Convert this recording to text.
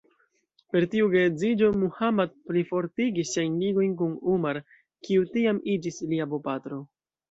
Per tiu geedziĝo, Muhammad plifortigis siajn ligojn kun Umar, kiu tiam iĝis lia bopatro.